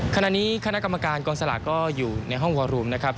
ขณะนี้คณะกรรมการกองสลากก็อยู่ในห้องวอรูมนะครับ